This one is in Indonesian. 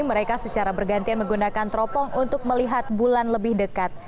mereka secara bergantian menggunakan teropong untuk melihat bulan lebih dekat